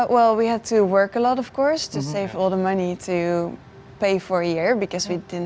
kita harus bekerja banyak untuk menghidupkan semua uang untuk membeli sebulan